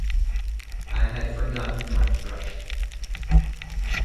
I had forgotten my threat.